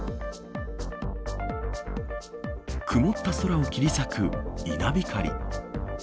曇った空を切り裂く稲光。